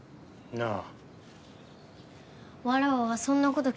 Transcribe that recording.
なあ。